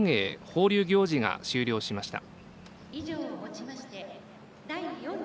・放流行事が終了しました。